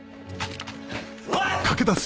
おい！